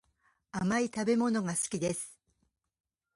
甘い食べ物が好きです